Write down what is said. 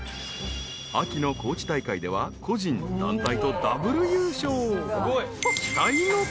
［秋の高知大会では個人団体とダブル優勝］